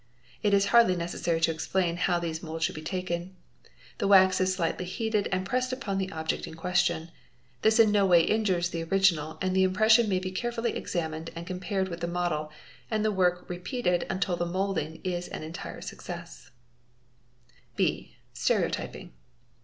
It is hardly necessary to explain how these moulds should be taken. The wax is slightly heated and pressed upon _ the object in question. This in no way injures the original and the impression may be carefully examined and compared with the model and the work repeated until the moulding is an entire success®", _ (bd) Stereotyping.